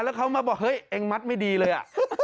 แล้วเขามาบอกเฮ้ยเองมัดไม่ดีเลยอ่ะ